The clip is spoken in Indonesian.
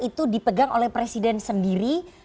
itu dipegang oleh presiden sendiri